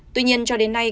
tuy nhiên cho đến nay